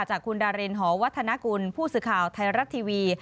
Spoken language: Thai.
จากคุณดารินหอวัฒนกุลผู้สื่อข่าวไทยรัฐทีวี